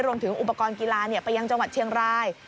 รวมถึงอุปกรณ์กีฬาไปยังจังหวัดเชียงราย